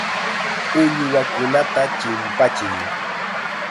Uywakunata chimpachiy.